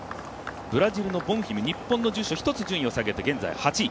ブラジルのポンフィム日本の住所一つ順位を下げて８位。